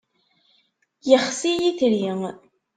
Yexsi yitri.